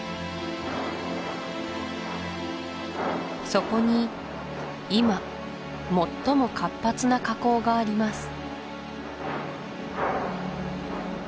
そこに今最も活発な火口があります